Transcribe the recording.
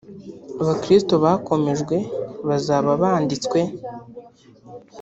abakristo bakomejwe bazaba banditswe